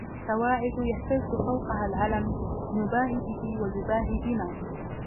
سَوَاعِدُ يَهْتَزُّ فَوْقَهَا الْعَلَمْ نُبَاهِي بِهِ وَيُبَاهِي بِنَا